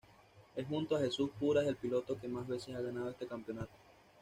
Es junto a Jesús Puras el piloto que más veces ha ganado este campeonato.